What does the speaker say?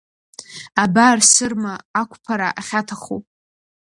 Абар, Сырма, ақәԥара ахьаҭаху!